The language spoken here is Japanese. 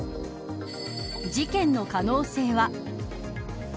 事件の可能性は。